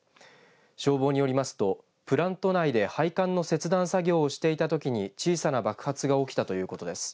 消防によりますとプラント内で配管の切断作業をしていたときに小さな爆発が起きたということです。